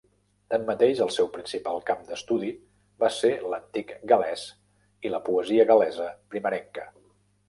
Tanmateix, el seu principal camp d'estudi va ser l'antic gal·lès i la poesia gal·lesa primerenca.